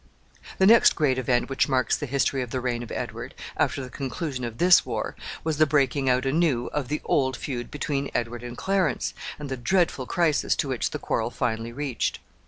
The next great event which marks the history of the reign of Edward, after the conclusion of this war, was the breaking out anew of the old feud between Edward and Clarence, and the dreadful crisis to which the quarrel finally reached.